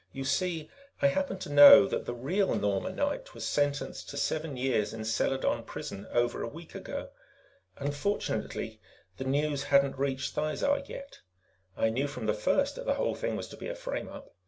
"You see, I happened to know that the real Norma Knight was sentenced to seven years in Seladon Prison over a week ago. Unfortunately, the news hadn't reached Thizar yet. I knew from the first that the whole thing was to be a frame up.